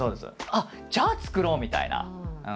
あっじゃあ作ろうみたいな。